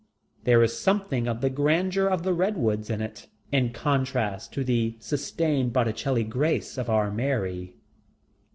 There is something of the grandeur of the redwoods in it, in contrast to the sustained Botticelli grace of "Our Mary."